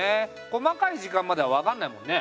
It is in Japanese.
細かい時間までは分かんないもんね。